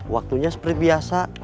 waktunya seperti biasa